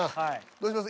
どうします？